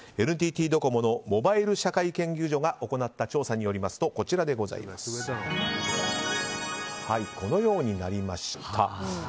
ＮＴＴドコモのモバイル社会研究所が行った調査によりますとこのようになりました。